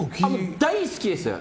大好きです！